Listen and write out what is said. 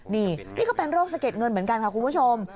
นี่นี่ก็เป็นโรคสะเด็ดเงินเหมือนกันค่ะคุณผู้ชม